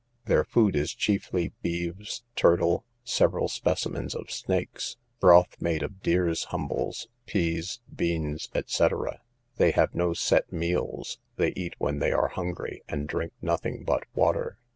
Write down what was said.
Their food is chiefly beeves, turtle, several species of snakes, broth made of deer's humbles, peas, beans, &c. They have no set meals: they eat when they are hungry, and drink nothing but water.